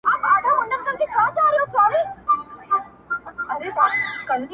لاســـــونه ئې پۀ مخ تمامه شپه راتېرٶم